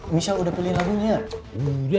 misal udah pilih lagunya